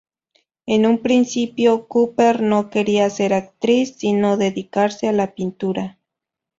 En un principio Cooper no quería ser actriz, sino dedicarse a la pintura.